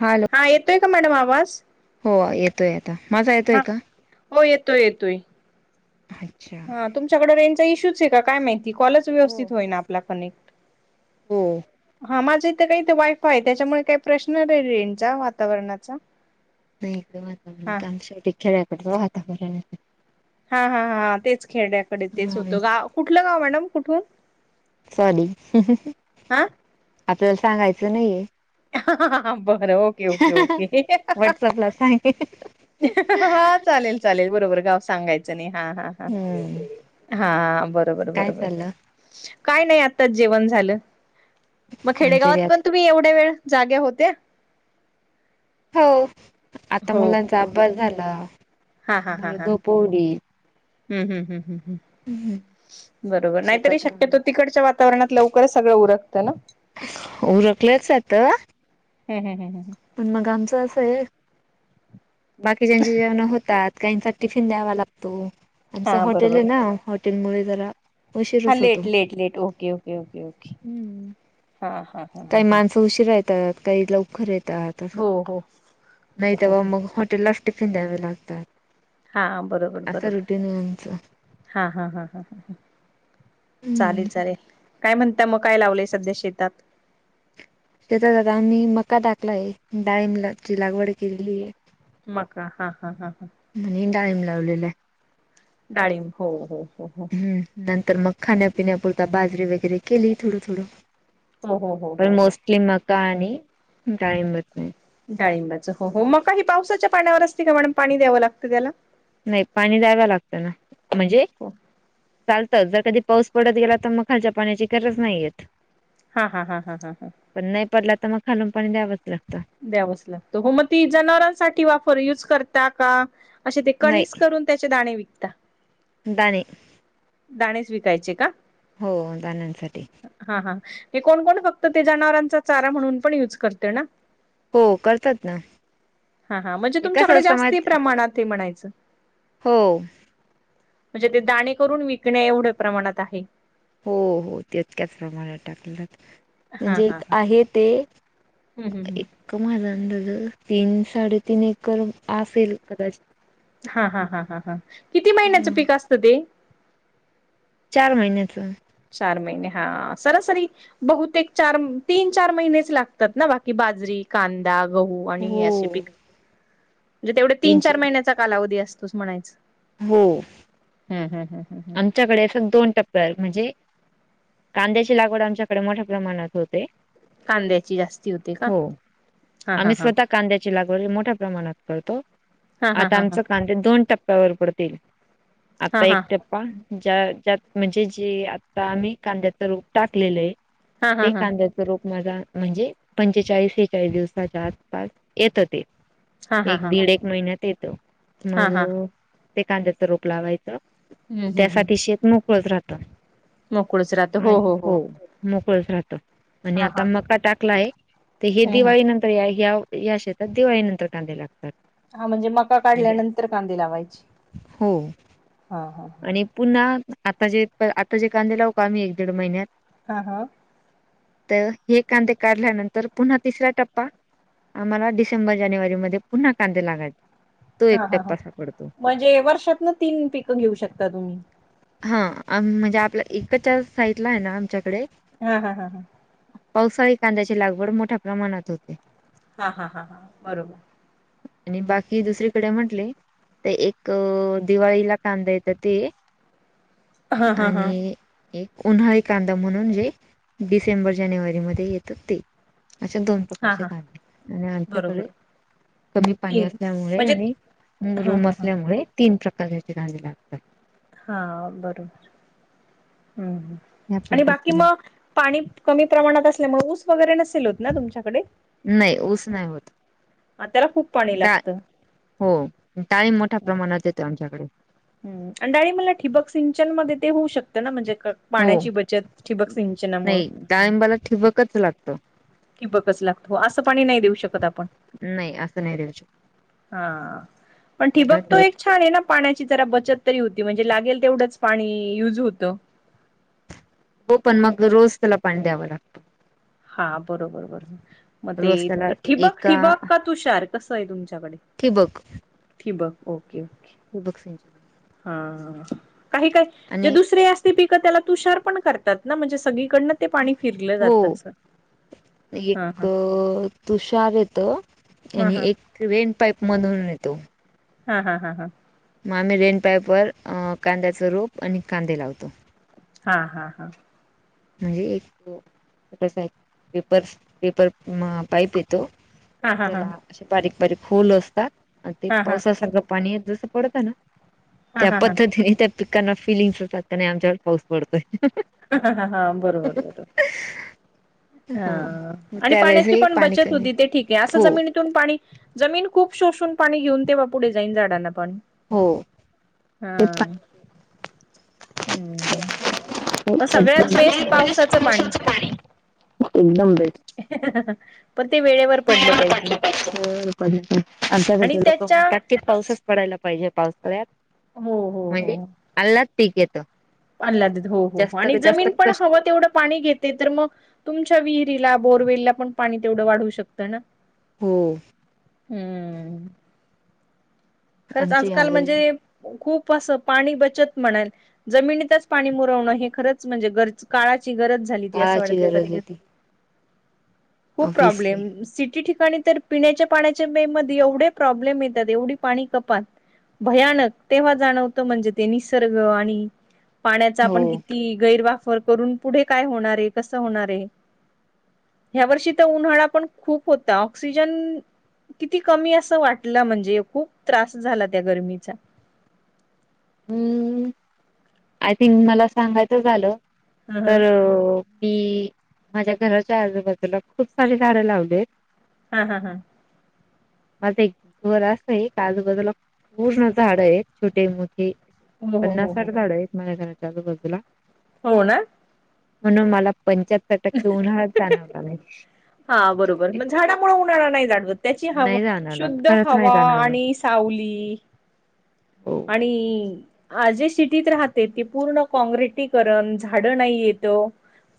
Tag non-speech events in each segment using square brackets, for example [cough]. Hello हा येतोय का मॅडम आवाज? हो येतोय आता माझा येतोय का? हो येतोय येतोय. अच्छा हा तुमच्याकडे रेंजचा इशू चं आहे का काय माहिती कॉलच हो व्यवस्थित होय ना आपला कनेक्ट. हो हा माझं इथं काय इथे वाय फाय आहे त्याच्यामुळे काही प्रश्न रेंजचा वातावरणाचा. नाही इकडं वातावरण हा हाय आमच्याइकडं खेड्याकडचं वातावरण आहे. हा हा हा तेच खेड्याकडे तेच होतं गा कुठलं गाव मॅडम कुठून? सॉरी हा आपल्याला सांगायचं नाहीेये बरं ओके ओके ओके [unintelligible] ह [unintelligible] हा चालेल चालेल बरोबर गाव सांगायचं नाही हा हा हम्म हा बरोबर काय बरोबर चाललं काय नाही आताच जेवण झालं मग आमच्या खेडेगावात घरात पण तुम्ही एवढ्या वेळ जाग्या होत्या? हो आता हो मुलांचा अभ्यास झाला. हा हा हा हा पोडी हम्म हम्म हम्म हम्म हम्म बरोबर नाहीतरी शक्यतो तिकडच्या वातावरणात लवकरच सगळं उरकतं ना उरकलंच आत हम हम हम हम हम पण मग आमचं असं आहे बाकीच्यांची जेवणं होतात त्यांचा टिफिन द्यावा लागतो आमचं हा हॉटेल आहे बरोबर ना हॉटेल मुळे जरा हां उशीरच होतो late late late okay okay okay okay हम्म हां हां काही माणसं उशीरा येतात काही लवकर येतात. तस हो हो नाही हो हो तेव्हा हो. मग हॉटेल लाच टिफिन द्यावे लागतात. हा बरोबर असं बरोबर रुटीन आहे आमचं. हा हा हा हा हम्म चालेल चालेल काय म्हणता मग काय लावलंय सध्या शेतात त्याच्यात आता आम्ही मक्का टाकलाय डांळीबाची लागवड केलेली आहे मक्का हा हा हा हा डाळिंब लावलले आहे डाळिंब हो हो हो हो आहे हम्म नंतर मग खाण्यापिण्यापुरता बाजरी वगैरे केली थोडं थोडं हो हो हो हो पण हो मोस्टली मक्का आणि डाळिंब डाळिंबाचा हो हो मक्क ही पावसाच्या पाण्यावर असते का मॅडम पाणी द्यावं लागतं त्याला नाही पाणी द्याव लागत ना म्हणजे हो चाल जर कधी पाऊस पडत गेला तर मग खालच्या पाण्याची गरज नाहीयेत हा हा हा हा हा हा पण नाही पडला तर मग खालून पाणी द्यावंच लागतं द्यावच लागत हो मग ती जनावरांसाठी वापर यूज करता का असे ते कणी नाही करून त्याचे दाणे विकतात दाणे दाणेच विकायचे का हो दाण्यासाठी हा हा हे कोण कोण फक्त ते जनावरांचा चारा म्हणून पण युज करते ना हो करतात ना हा हा म्हणजे एकाच तुमच्याकडे असतं जास्ती माहित प्रमाणात हे म्हणायचं हो म्हणजे ते दाणे करून विकणे एवढ्या प्रमाणात आहे हो हो ते तितक्याच प्रमाणात टाकन लागते हा म्हणजे हा एक हा आहे ते हम्म हम्म एक माझा अंदाज तीन साडेतीन एकर असेल कदाचित हा हा हा हा हा किती हा महिन्याचं पीक असतं ते चार महिन्याच चार महिने हा सरासरी बहुतेक चार तीन चार महिनेच लागतात ना बाकी बाजरी कांदा गहू आणि असे हो पिक म्हणजे तेवढे तीन चार महिन्यात चा कालावधी असतोच म्हणायच हो हम हम हम आमच्याकडे फक्त दोन टप्प्या म्हणजे कांद्याची लागवड आमच्याकडे मोठ्या प्रमाणात होते कांद्याची जास्ती होते का हो हा हा आम्ही हा स्वतः कांद्याची लागवड मोठ्या प्रमाणात करतो हा हा आता हा हा आमचे कांदे दोन टप्प्यावर पडतो हा आता हा एकट ज्या ज्यात म्हणजे जे आता आम्ही कांद्याच रोप टाकलेलं आहे हा हा हा ते हा कांदा रोप माझा म्हणजे पंचेचाळीस सेहेेचाळीस दिवसाच्या आसपास येतात हा एक हा दीड एक महिन्यात येत हा मग हा ते कांद्याच रोप लावायचं हम्म हम्म हम्म त्यासाठी शेत मोकळच राहतं आणि हो मोकळच राहतो आणि हा हा आता मका टाकला आहे. तर हे हम्म दिवाळी हम्म नंतर या शेतात दिवाळी नंतर कांद्यालागत. हा म्हणजे मका काढल्यानंतर कांदे लावायची हो हा हा. आणि पुन्हा आता जे आता जे कांदे लावु का आम्ही एक दीड महिन्यात. हा हा.. तर हे कांदे काढल्यानंतर पुन्हा तिसरा टप्पा. आम्हाला डिसेंबर जानेवारीमध्ये पुन्हा कांदे लावायचे. हा हा हा म्हणजे वर्षातना तीन पिकं घेऊ शकता तुम्ही. हा म्हणजे आपल्या एकडच्या साइईडला आहे ना आमच्याकडे. हम हम हम ह. पावसाळी कांद्याची लागवड मोठ्या प्रमाणात होते. हा हा हां हां बरोबर. आणि बाकी दुसरीकडे म्हटले ते एक दिवाळीला कांदा येत. तर ते हा हा हा आणि एक. उन्हाळी कांदा म्हणून जे डिसेंबर जानेवारी म येतात ते अा दोन. हा हा आणि आमच्याकडे. बरोबर कमी पाणी तीन असल्यामुळे म्हणजे आणि हा रूम हा हा असल्यामुळे तीन प्रकार याचे झाले लागतात. हा बरोबर हम् या आणि बाकी पद्धतीने मग. पाणी कमी प्रमाणात असल्यामुळे ऊस वगैरे नसेल होत ना तुमच्याकडे. नाही ऊस नाही होत. त्याला खूप पाणी डाळ लागतं. हो टाळीम मोठ्या प्रमाणात येते आमच्याकडे. ह अंडाळी मला ठिबक सिंचन मध्ये ते होऊ शकतं ना म्हणजे. हो पाण्याची बचत ठिबक सिंचनामुं नाही डाळिंबाला ठिबकच लागतं कि बघच लागतो असं पाणी नाही देऊ शकत आपण. नाही असशं नाही देऊ शकत. हा पण ठिबकतो त्याला एक छान आहे ना पाण्याची जरा बचत तरी होती म्हणजे लागेल तेवढंच पाणी युज होतं. हो पण मग रोज त्याला पाणी द्यावं लागतं. हां बरोबर बरंर. मग ते रोज त्याला ठिबक एका ठिबक का तुषार कसं आहे तुमच्याकडे? ठिबक ठीबक ओके ओके ठिबक सिंचन. हा काही काही जे आणि दुसरे अस. ते पिकं त्याला तुषार पण करतात ना म्हणजे सगळीकडनं ते पाणी फिरलं हो जात अस. एक तुषार येत आणि हा एक वेनपाईप मधून येतो. हा हा हा हां मग आम्ही रेनपाईप वर कांद्याच रूप आणि कांदे लावतो. हा हा हा. म्हणजे एक पेपर पेपर पाईप येतो. हा हा हा हा त्याला असे बारीक बारीक होल असतात आणि ते हा हा हा पावसासारखं पाणी जसं पडतं ना त्या हा पद्धतीने त्या पिकांना फिलिंग्स होतात आमच्यावर पाऊस पडतोय. हा बरोबर बरोबर. हा मग आणि पाण्याची त्यावेेळेसही पण पाणी बचत कमी होती ते ठीक आहे असं हो जमीन पाणी जमीन खूप शोषून पाणी घेऊन ते बाप पुढे जाईन झाडांना पण हो तेच हम्म मग सगळ्यात बेस्ट पावसाचं पाणी [unintelligible] एकदम बेस् [unintelligible] पण ते वेळेवर पडलं पाहिजे आणि त्याच्या त पाऊसच पडायला पाहिजे पावसाळ्यात हो हो म्हणजे अललाद पीक येत अल्हद हो हो हो आणि जास्त जमीन पण कष्ट हवं तेवढं पाणी घेत ते तर मग तुमच्या विहिरीला बोरवेलला पण पाणी तेवढं वाढू शकतं ना हो हम्म खरंच आमची आजकाल यावेळी म्हणजे खूप असं पाणी बचत म्हणाल जमिनीतच पाणी मुरवणं हे खरंच म्हणजेर काळाची गरज ा काळाची गरज होती ऑब्विसली पिण्याच्या पाण्याच्या मध्ये एवढे प्रॉब्लेम येतात एवढी पाणी कपात भयानक तेव्हा जाणवतं म्हणजे ते निसर्ग आणि पाण्याचा आपण हो किती गैरवापर करून पुढे काय होणार आहे कसं होणार आहे ह्या वर्षी तर उन्हाळा पण खूप होता ऑक्सिजन किती कमी असं वाटलं म्हणजे खूप त्रास झाला त्या गरमीचा हम्म आय थिंक मला सांगायचं झालं ह ह तर मी माझ्या घराच्या आजूबाजूला खूप सारे झाडं लावलेत हा हा हा माझं एक घर असंय आजूबाजूला पूर्ण झाड आहेत छोटे मोठे हो हो पन्नासा हो हो साठ झाड आहेत माझ्या घराच्या आलूबाजूला हो ना म्हणून मला पंच्याहत्तर टक्के उन्हा जाणवला नाही हा बरोबर म झाडामुळे उन्हाळा नाही जाणवत त्याची हवा नाही जाणवला शुद्ध खरंच नाही हवा जाणवलं आणि सावली हो आणि आ जे सिटीत राहते ते पूर्ण काँग्रेसिकरण झाडं नाही येत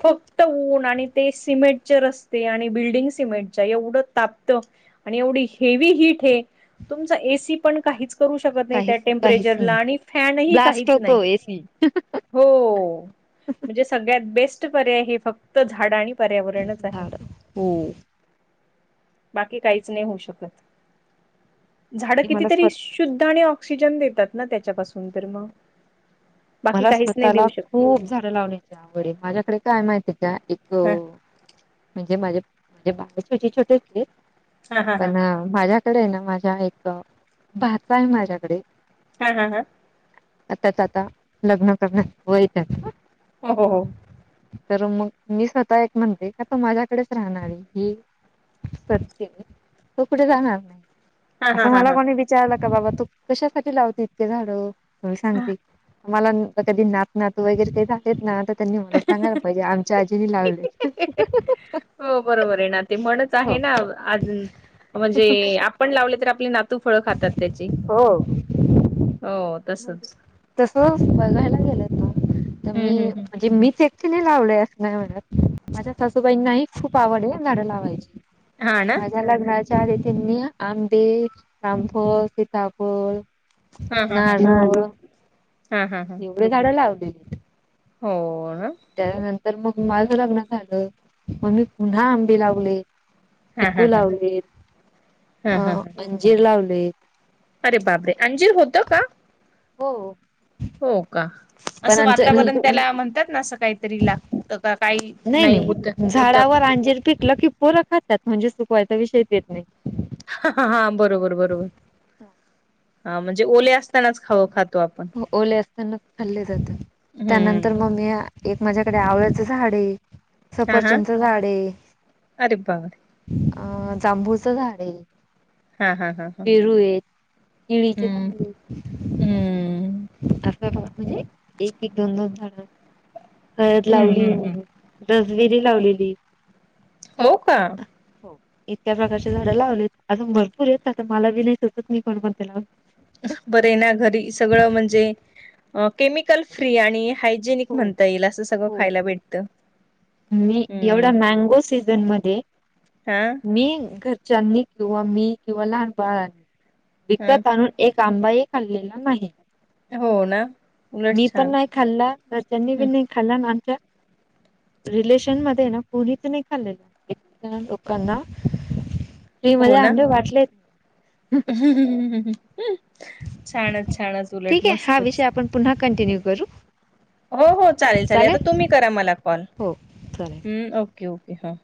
फक्त ऊन आणि ते सिमेंटचे रस्ते आणि बिल्डिंग सिमेंटच्या एवढं तापतं आणि एवढी हेवी हीट ए तुमचा एसी पण काहीच करू शकत नाही त्या काहीच काहीच [unintelligible] नाही आणि फॅनही ब्लास्ट काहीच नाही होतो एसी हो म्हणजे सगळ्यात बेस्ट पर्याय हे फक्त झाड आणि पर्यावरणच आहे झाड हो बाकी काहीच नाही होऊ शकत झाड आणि मला कितीतरी स्व शुद्ध आणि ऑक्सिजन देतात ना त्याच्यापासून तर मग बाकी मला काहीच नाही देऊ स्वतःला शकत खूप झाडं लावण्याची आवड आहे माझ्याकडे काय माहितीय का एक हा म्हणजे माझे म्हणजे [unintelligible] छोटे छोटे हा [unintelligible] हा पण माझ्याकडे आहे ना माझा एक भाचा आहे माझ्याकडे हा हा हा आताच आता लग्न करण्यात वये तेच हो हो हो तर मग मी स्वतः एक म्हणते का तो माझ्याकडेच राहणार की सत्य तो कुठे जाणार नाही हा हा असं हा मला हा. कोणी विचारलं का बाबा तू कशासाठी लावते इतके झाड तर मी सांगते मला नं कधी नात नातू वगैरे काही झालं येत ना त त्यांनी [inaudible] सांगायला पाहिजे आमच्या आजीनी लावले. हो बरोबर आहे ना ते म्हणच हो आहे ना अधी म्हणजे आप पण लावले तर आपली नातू फळ खातात त्याची हो हो तसच. तस बघायला गेलं ना तर हम्म मी हम्म हम्म म्हणजे मीच एक तिने लावले अस नाही म्हणत माझ्या सासूबाईंनाही खूप आवडये झाड लावायची. हा ना माझ्या लग्नाच्या आधी त्यांनी आंबे रामफळ, सीताफळ हम्म हम्म हम्म नारळ [inaudible] हम्म हम्म हम्म. एवढे झाड लावलीत. हो. ना त्यानंतर मग माझ लग्न झालं मग मी पुन्हा आंबे लावले. हा चिकू हा हा हा लावलेत हा हा अ- अंजीर लावलेत. अरे बाप रे अंजिर होत का. हो. हो का पण असं आमचं वातावरण त्याला म्हणतात ना असं काहीतरी लागत का? काही नाही होत नाही होत हा झाडावर अंजीर पिकलं पोर खातात म्हणजे सुकवायचा विषयच येत नाही. हा हा हा बरोबर बरोबर हा म्हणजे ओले असतानाच खाव खात म ओले असताना खाल्ले जातात हम्म. त्यानंतर मग मी आ एक माझ्याकडे आवळ्याचं झाडये हा हा सफरचंदच झाडये. अरे बापरे अं जांभूचं झाड आहे हा हा हा हा पेरू ये केळीचे झाड हम्म लईत. हम्म. असं म्हणजे एक एक दोन दोन झाड. हळद हम्म हम्म लावलीये मी हम्म. रेसबेरी लावलेली. हो का. हो. इतक्या प्रकारची झाडं लावलीत अजून भरपूर आहेते आता मला बी नाही सुचत मी पण कोणते लावू. बर येना घरी सगळं म्हणजे केमिकल फ्री आणि हा जेनिक हो म्हणता येईल असं सगळं हो खायला हो. भेटतं. मी हम्म एवढा मँगो सीझन मध्ये हा मी घरच्यांनी किंवा मी किंवा लहान बाळ ह विकत आणून एक आंबाही खाल्लेला नाही. हो ना उलट मी पण छान नाही खाल्ला घरच्यानी बी हं, नाही खाल्ला आणि आमच्या रिलेशन मध्ये ना कोणीच नाही खाल्लेलं. लोकांना फ्री मध्ये हो ना आंबे वाटलेत. [unintelligible] छानच -छानच उलट ठीक आहे हा विषय मस्तच. आपण पुन्हा कंटिन्यू करू. हो हो चालेल चालेल आता तुम्ही करा मला कॉल. हो चालेल. हम्म ओके ओके हा.